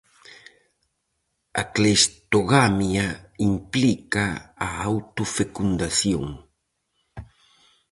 A cleistogamia implica a autofecundación.